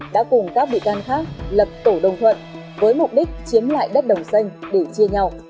đã cùng các bị can khác lập tổ đồng thuận với mục đích chiếm lại đất đầu xanh để chia nhau